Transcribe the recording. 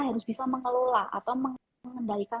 harus bisa mengelola atau mengendalikan